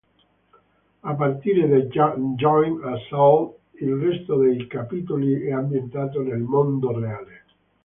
A partire da Joint Assault, il resto dei capitoli è ambientato nel mondo reale.